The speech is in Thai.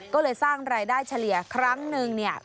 ก็เลยสร้างรายได้เฉลี่ยครั้งนึงเนี่ย